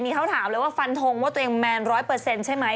มีเขาถามแพ้ว่าฟันโทงว่าตัวเองแมน๑๐๐เปอร์เซ็นต์ใช่ไหม